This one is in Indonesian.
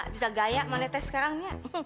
bisa gaya malah teh sekarang lihat